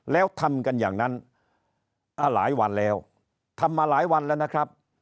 แล้วทำกันอย่างนั้นหลายวันแล้วทำมาหลายวันแล้วนะครับ